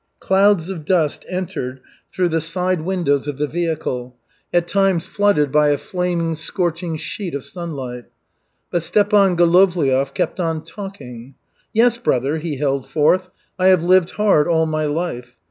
Clouds of dust entered through the side windows of the vehicle, at times flooded by a flaming, scorching sheet of sunlight. But Stepan Golovliov kept on talking. "Yes, brother," he held forth, "I have lived hard all my life.